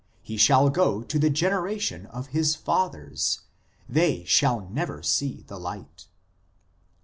... He shall go to the generation of his fathers ; they shall never see the light."